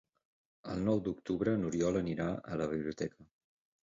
El nou d'octubre n'Oriol anirà a la biblioteca.